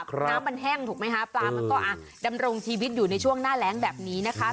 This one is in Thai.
น้ำมันแห้งถูกไหมคะปลามันก็ดำรงชีวิตอยู่ในช่วงหน้าแรงแบบนี้นะคะ